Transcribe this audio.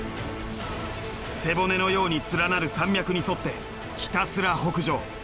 背骨のように連なる山脈に沿ってひたすら北上。